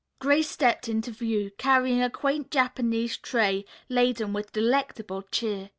Grace stepped into view, carrying a quaint Japanese tray laden with delectable cheer.